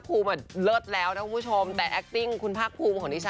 ภูมิค่ามากคุณผู้ชม